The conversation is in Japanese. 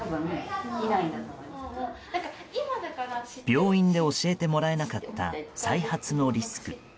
病院で教えてもらえなかった再発のリスク。